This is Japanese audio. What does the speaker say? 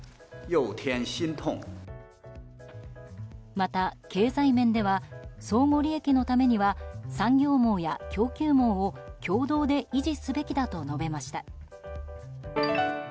また、経済面では相互利益のためには産業網や供給網を共同で維持すべきだと述べました。